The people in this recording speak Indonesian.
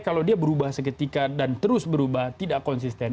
kalau dia berubah seketika dan terus berubah tidak konsisten